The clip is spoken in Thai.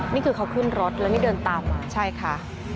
นี่คือเขาขึ้นรถแล้วนี่เดินตามมาใช่ค่ะ